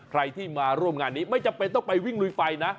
ใครที่มาร่วมงานนี้ไม่จำเป็นต้องไปวิ่งลุยไฟนะ